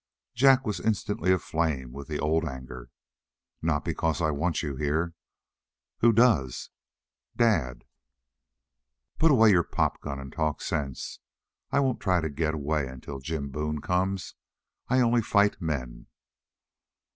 Jack was instantly aflame with the old anger. "Not because I want you here." "Who does?" "Dad." "Put away your pop gun and talk sense. I won't try to get away until Jim Boone comes. I only fight men."